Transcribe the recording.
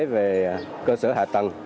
về cơ sở hạ tầng